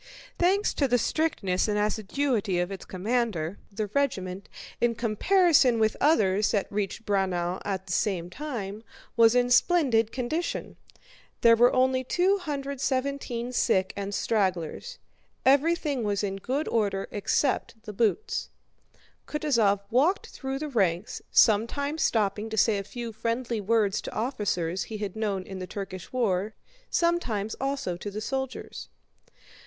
Thanks to the strictness and assiduity of its commander the regiment, in comparison with others that had reached Braunau at the same time, was in splendid condition. There were only 217 sick and stragglers. Everything was in good order except the boots. Kutúzov walked through the ranks, sometimes stopping to say a few friendly words to officers he had known in the Turkish war, sometimes also to the soldiers.